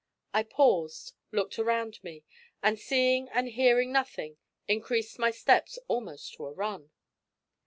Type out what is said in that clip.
I paused, looked around me, and seeing and hearing nothing, increased my steps almost to a run.